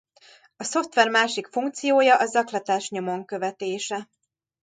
A szoftver másik funkciója a zaklatás nyomon követése.